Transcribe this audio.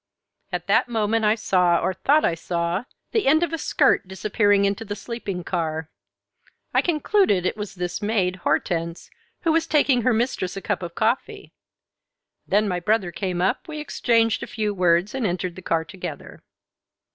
At that moment I saw, or thought I saw, the end of a skirt disappearing into the sleeping car. I concluded it was this maid, Hortense, who was taking her mistress a cup of coffee. Then my brother came up, we exchanged a few words, and entered the car together."